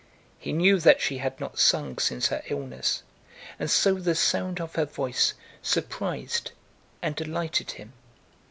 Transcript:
He knew that she had not sung since her illness, and so the sound of her voice surprised and delighted him.